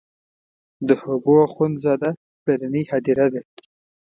د حبو اخند زاده پلرنۍ هدیره ده.